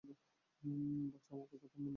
বাছা, আমার কথাটা মন দিয়ে শুনে রাখ।